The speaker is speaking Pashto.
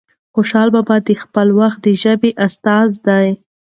خوشال بابا د خپل وخت د ژبې استازی دی.